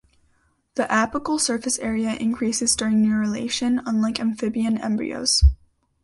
The apical surface area increases during neurulation, unlike amphibian embryos.